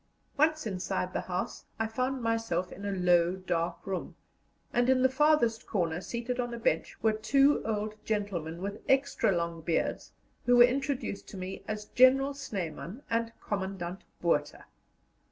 Once inside the house, I found myself in a low, dark room, and in the farthest corner, seated on a bench, were two old gentlemen, with extra long beards, who were introduced to me as General Snyman and Commandant Botha.